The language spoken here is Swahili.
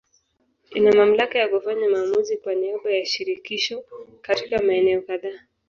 Ina mamlaka ya kufanya maamuzi kwa niaba ya Shirikisho katika maeneo kadhaa.